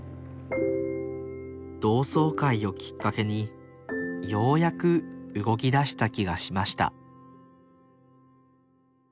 同窓会をきっかけにようやく動きだした気がしました